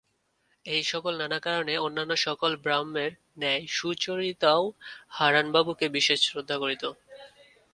এই-সকল নানা কারণে অন্যান্য সকল ব্রাহ্মের ন্যায় সুচরিতাও হারানবাবুকে বিশেষ শ্রদ্ধা করিত।